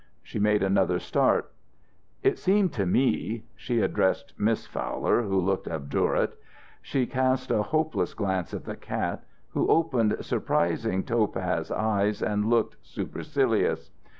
She made another start. "It seemed to me " she addressed Miss Fowler, who looked obdurate. She cast a helpless glance at the cat, who opened surprising topaz eyes and looked supercilious.